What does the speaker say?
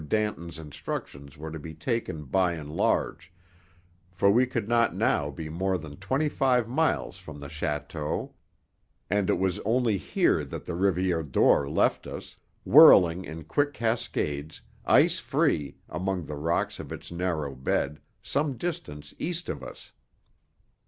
Danton's instructions were to be taken by and large, for we could not now be more than twenty five miles from the château, and it was only here that the Rivière d'Or left us, whirling in quick cascades, ice free, among the rocks of its narrow bed, some distance east of us.